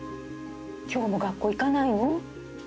今日も学校行かないの？